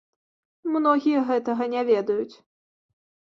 Многія гэтага не ведаюць.